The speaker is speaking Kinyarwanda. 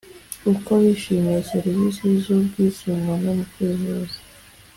uko bishimiye serivisi z ubwisungane mu kwivuza